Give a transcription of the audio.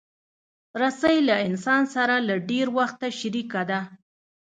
رسۍ له انسان سره له ډېر وخته شریکه ده.